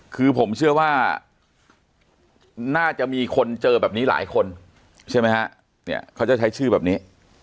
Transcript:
คือผมเชื่อว่าน่าจะมีคนเจอแบบนี้หลายคนใช่ไหมฮะเนี่ยเขาจะใช้ชื่อแบบนี้